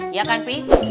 iya kan peh